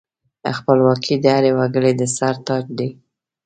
خپلواکي د هر وګړي د سر تاج دی.